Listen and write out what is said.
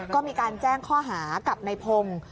ก็มีการแจ้งข้อหากับในพงศ์